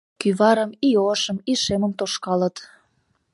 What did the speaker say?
Кӱварым и ошым, и шемым тошкалыт.